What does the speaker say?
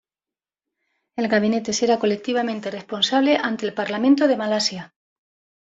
El Gabinete será colectivamente responsable ante el Parlamento de Malasia.